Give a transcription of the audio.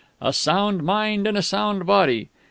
"A sound mind in a sound body!"...